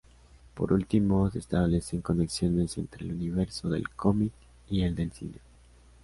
Por último se establecen conexiones entre el universo del cómic y el del cine.